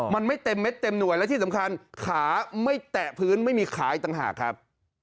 มันไม่เต็มเม็ดเต็มหน่วยและที่สำคัญขาไม่แตะพื้นไม่มีขาอีกต่างหากครับ